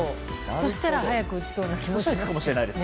そうしたら早く打ちそうな気がする！